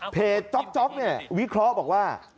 จ๊อกเนี่ยวิเคราะห์บอกว่า